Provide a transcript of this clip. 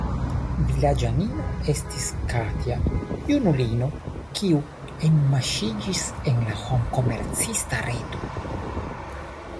Vilaĝanino estis Katja, junulino, kiu enmaŝiĝis en la homkomercista reto.